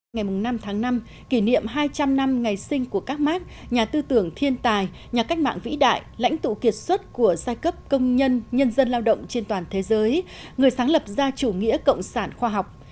ngày năm tháng năm kỷ niệm hai trăm linh năm ngày sinh của các mark nhà tư tưởng thiên tài nhà cách mạng vĩ đại lãnh tụ kiệt xuất của giai cấp công nhân nhân dân lao động trên toàn thế giới người sáng lập ra chủ nghĩa cộng sản khoa học